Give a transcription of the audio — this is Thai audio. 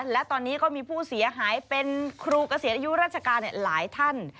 และตอนนี้ก็มีผู้เสียหายเป็นครูเกษียณอายุราชการหลายท่าน